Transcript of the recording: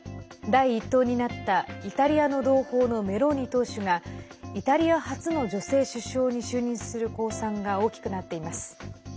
第一党になったイタリアの同胞のメローニ党首がイタリア初の女性首相に就任する公算が大きくなっています。